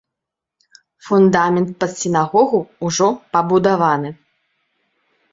Фундамент пад сінагогу ўжо пабудаваны.